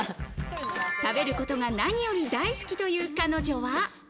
食べることが何より大好きという彼女は。